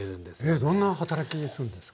えどんな働きするんですか？